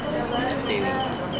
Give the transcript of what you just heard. selamat malam tiga